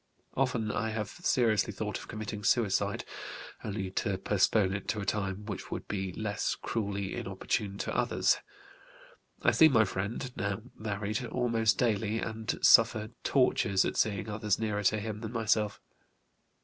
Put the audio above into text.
Often I have seriously thought of committing suicide, only to postpone it to a time which would be less cruelly inopportune to others. I see my friend (now married) almost daily, and suffer tortures at seeing others nearer to him than myself.